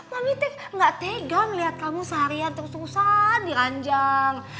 mami teg gak tegang liat kamu seharian tersusah diranjang